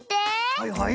はいはい。